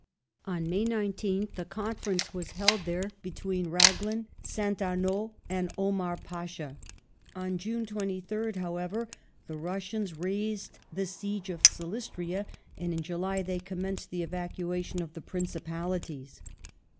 On May 19th a confer ence was held there between Raglan, St. Amaud, and Omar Pasha. On June 23rd, however, the Russians raised the siege of Silistiia, and in July they commenced the evacuation of the Principalities.